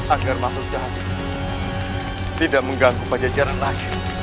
agar masuk jahat tidak mengganggu pajajaran lagi